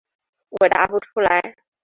我答不出来。